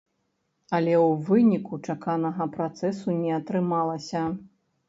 Але ў выніку чаканага працэсу не атрымалася.